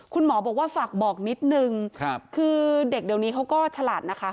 คุณหมอบอกว่าฝากบอกนิดนึงคือเด็กเดี๋ยวนี้เขาก็ฉลาดนะคะ